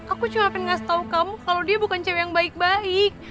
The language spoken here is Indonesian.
aku cuma pengen ngasih tau kamu kalau dia bukan cewek yang baik baik